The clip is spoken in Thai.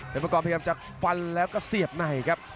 เป็นประกอบพยายามจะฟันแล้วก็เสียบในครับ